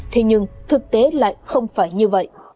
thế nhưng thực tế lại không phải như vậy